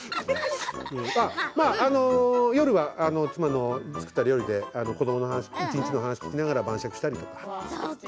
夜は妻の作った料理で子どもの一日の話を聞きながら晩酌したりとか。